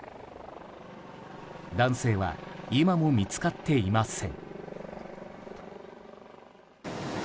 男性は今も見つかっていません。